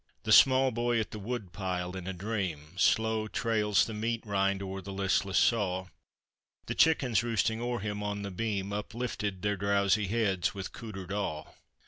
The small boy at the woodpile, in a dream Slow trails the meat rind o'er the listless saw; The chickens roosting o'er him on the beam Uplifted their drowsy heads with cootered awe.